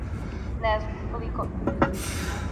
Не знам, колико?